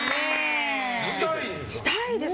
したいです。